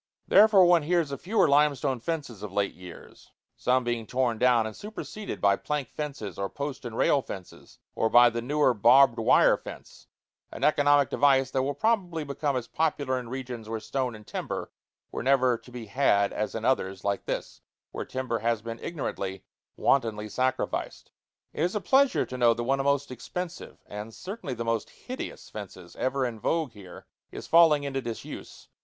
Therefore one hears of fewer limestone fences of late years, some being torn down and superseded by plank fences or post and rail fences, or by the newer barbed wire fence an economic device that will probably become as popular in regions where stone and timber were never to be had as in others, like this, where timber has been ignorantly, wantonly sacrificed. It is a pleasure to know that one of the most expensive, and certainly the most hideous, fences ever in vogue here is falling into disuse.